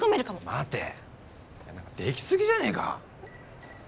待て出来すぎじゃねえか？